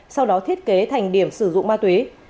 sau đó thiết kế thành điểm sử dụng ma túy